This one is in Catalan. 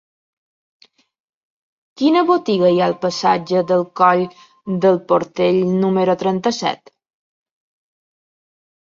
Quina botiga hi ha al passatge del Coll del Portell número trenta-set?